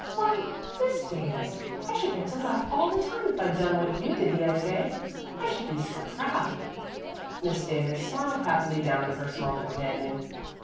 "Why, Miss Davis, I should want to laugh all the time if I'd done what you did the other day. I should be so proud." Miss Davis smiled happily down at her small companion.